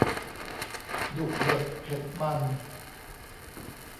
ดุเด็ดเผ็ดมัน